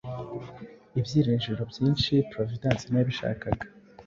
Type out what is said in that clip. Ibyiringiro byinshi Providence ntiyabishaka